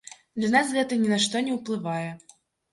Для нас гэта ні на што не ўплывае.